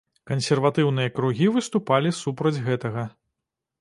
Кансерватыўныя кругі выступалі супраць гэтага.